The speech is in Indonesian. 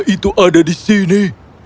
itu ada di sini